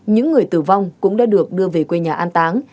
những người tử vong cũng đã được đưa về quê nhà an táng